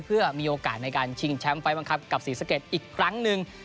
เพื่อมีโอกาสในการชิงแชมป์ไฟล์บังคับกับศรีสะเกดอีกครั้งหนึ่ง